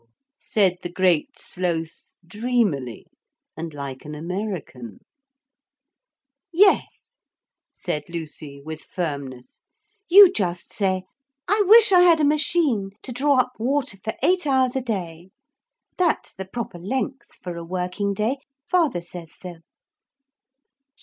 said the Great Sloth dreamily and like an American. 'Yes,' said Lucy with firmness. 'You just say, "I wish I had a machine to draw up water for eight hours a day." That's the proper length for a working day. Father says so.'